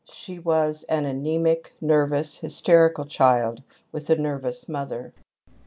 She was an anemic, nervous, hysterical child with a nervous mother.